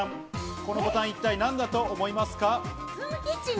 このボタンは一体何だと思いますか？